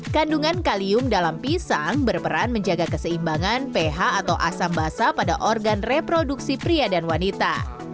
kandungan kalium dalam pisang berperan menjaga keseimbangan ph atau asam basah pada organ reproduksi pria dan wanita